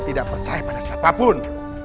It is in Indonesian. tidak percaya pada siapapun